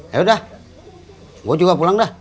ya udah gue juga pulang dah